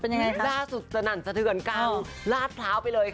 ล่าสุดสนั่นสะเทือนก้าวลาดพร้าวไปเลยค่ะ